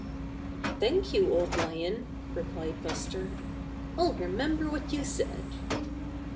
"Thank you. Old Lion," replied Buster. "I'll remember what you said."